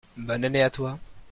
bonne année à toi.